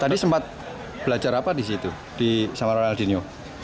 tadi sempat belajar apa di situ sama ronaldinho